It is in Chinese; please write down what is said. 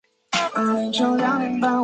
正教会中也采用这种仪式。